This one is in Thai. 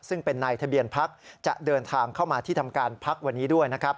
ซึ่งเป็นนายทะเบียนพักจะเดินทางเข้ามาที่ทำการพักวันนี้ด้วยนะครับ